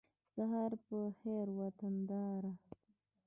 سهار په خېر وطنداره